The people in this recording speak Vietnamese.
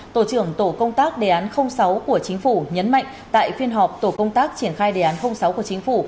tổ trưởng tổ công tác đề án sáu của chính phủ nhấn mạnh tại phiên họp tổ công tác triển khai đề án sáu của chính phủ